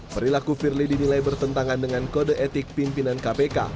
perilaku firly dinilai bertentangan dengan kode etik pimpinan kpk